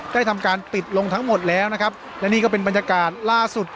ได้ทำการปิดลงทั้งหมดแล้วนะครับและนี่ก็เป็นบรรยากาศล่าสุด